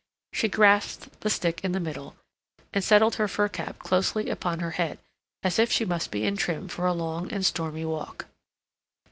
She grasped the stick in the middle, and settled her fur cap closely upon her head, as if she must be in trim for a long and stormy walk.